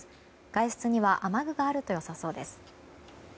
外出には雨具があると良さそうです。